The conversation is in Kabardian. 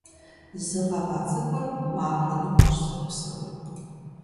Зы гъэгъа цӀыкӀур махуэ ныкъуэщ зэрыпсэур.